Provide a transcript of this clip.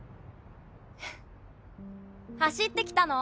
フッ走ってきたの？